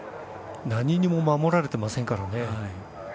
何にも守られていませんからね。